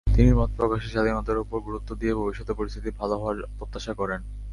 তিনি মতপ্রকাশের স্বাধীনতার ওপর গুরুত্ব দিয়ে ভবিষ্যতের পরিস্থিতি ভালো হওয়ার প্রত্যাশা করেন।